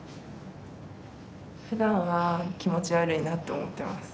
ふだんは気持ち悪いなと思ってます。